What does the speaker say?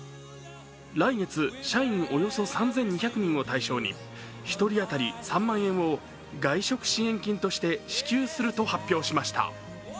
来月社員およそ３２００人を対象に１人当たり３万円を、外食支援金として支給すると発表しました。